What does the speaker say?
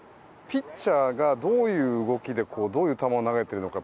ピッチャーがどういう動きでどういう球を投げているのか